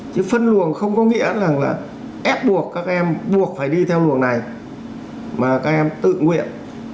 chứ phân luồng không có nghĩa là ép buộc các em buộc phải đi theo luồng này mà các em tự nguyện